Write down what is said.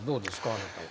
あなたは。